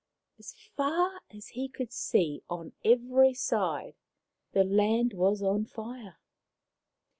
As far as he could see on every side the land was on fire.